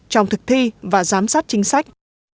trong thực thi và giám sát chính sách